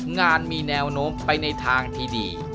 งานมีแนวโน้มไปในทางที่ดี